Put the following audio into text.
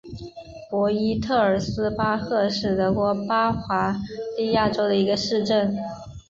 博伊特尔斯巴赫是德国巴伐利亚州的一个市镇。